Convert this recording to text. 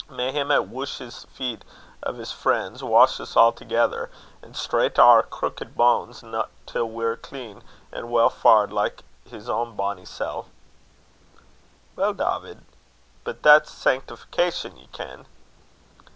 May Him 'at woosh the feet o' his friens, wash us a'thegither, and straucht oor crookit banes, till we're clean and weel faured like his ain bonny sel'." "Weel, Dawvid but that's sanctificaition, ye ken."